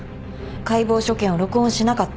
解剖所見を録音しなかった。